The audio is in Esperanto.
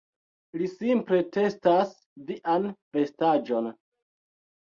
Li simple testas vian vestaĵon